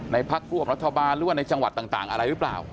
พักร่วมรัฐบาลหรือว่าในจังหวัดต่างอะไรหรือเปล่า